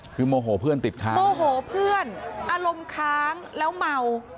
คือโมโหเพื่อนติดค้างโมโหเพื่อนอารมณ์ค้างแล้วเมา